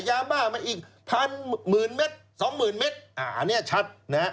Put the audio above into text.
ยาบ้างมาอีกพันหมื่นเม็ดสองหมื่นเม็ดอันนี้ชัด